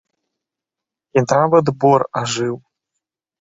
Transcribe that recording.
І нават бор ажыў.